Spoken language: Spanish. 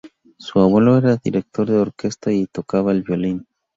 Su abuelo era director de orquesta y tocaba el violín.